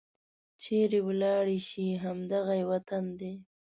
چيرې ولاړې شي؟ همد غه یې وطن دی